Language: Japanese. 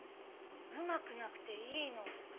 うまくなくていいの。